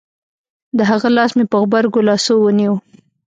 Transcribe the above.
د هغه لاس مې په غبرگو لاسو ونيو.